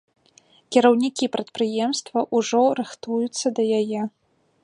Кіраўнікі прадпрыемства ўжо рыхтуюцца да яе.